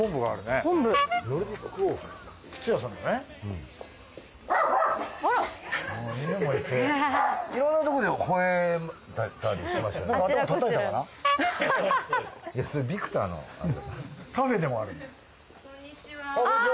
こんにちは。